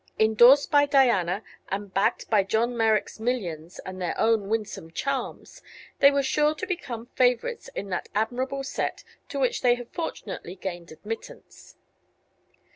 Endorsed by Diana and backed by John Merrick's millions and their own winsome charms, they were sure to become favorites in that admirable set to which they had fortunately gained admittance.